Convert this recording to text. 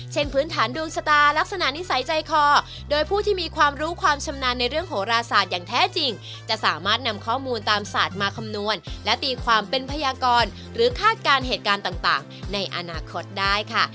พื้นฐานดวงชะตาลักษณะนิสัยใจคอโดยผู้ที่มีความรู้ความชำนาญในเรื่องโหราศาสตร์อย่างแท้จริงจะสามารถนำข้อมูลตามศาสตร์มาคำนวณและตีความเป็นพยากรหรือคาดการณ์เหตุการณ์ต่างในอนาคตได้ค่ะ